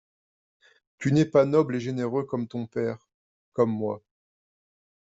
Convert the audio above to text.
Tu n'es pas noble et généreux comme ton père, comme moi.